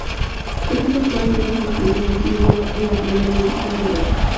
Su equipo actual es Racing Club de Montevideo de la Primera División de Uruguay.